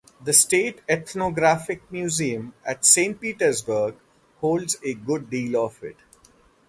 The State Ethnographic Museum at Saint Petersburg holds a good deal of it.